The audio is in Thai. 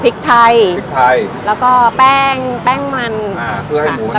พริกไทยพริกไทยแล้วก็แป้งแป้งมันอ่าเพื่อให้หมูมัน